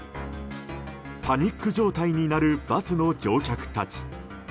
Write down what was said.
パニック状態になるバスの乗客たち。